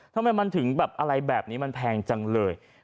ทำไมมันถึงแบบอะไรแบบนี้มันแพงจังเลย